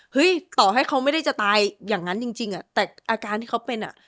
ต่อให้เขาไม่ได้จะตายอย่างนั้นจริงอ่ะแต่อาการที่เขาเป็นอ่ะ